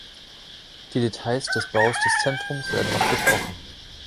Die Details des Baus des Zentrums werden noch besprochen.